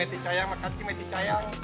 eh meti cayang makasih meti cayang